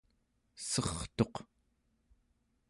sertuq